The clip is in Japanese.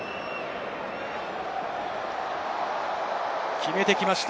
決めてきました。